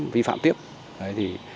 vi phạm tiếp đấy thì